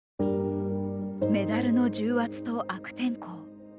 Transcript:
メダルの重圧と悪天候。